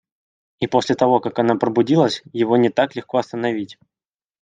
И после того как оно пробудилось, его не так легко остановить.